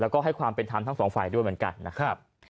แล้วก็ให้ความเป็นธรรมทั้งสองฝ่ายด้วยเหมือนกันนะครับ